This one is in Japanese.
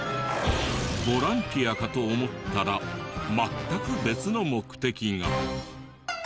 ボランティアかと思ったら全く別の目的が。